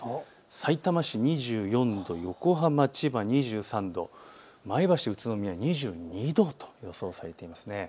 さいたま市２４度、横浜、千葉２３度、前橋、宇都宮２２度と予想されています。